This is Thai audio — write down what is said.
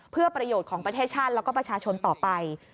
เพื่อประโยชน์ของประเทศชาติแล้วก็ประชาชนต่อไป